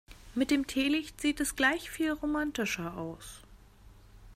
Mit dem Teelicht sieht es gleich viel romantischer aus.